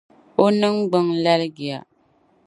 O ningbung laligiya.